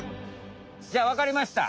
じゃあわかりました！